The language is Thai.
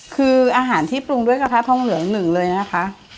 คืออาหารที่ปรุงด้วยกระทะทองเหลืองหนึ่งเลยนะคะ